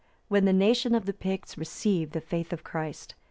When the nation of the Picts received the faith of Christ.